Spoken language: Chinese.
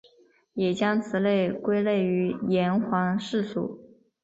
也将此类归类于岩黄蓍属。